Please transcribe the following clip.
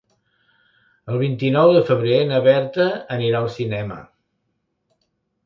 El vint-i-nou de febrer na Berta anirà al cinema.